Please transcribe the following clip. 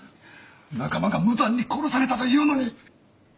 仲間が無残に殺されたというのに。